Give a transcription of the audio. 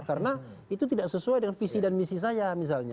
karena itu tidak sesuai dengan visi dan misi saya misalnya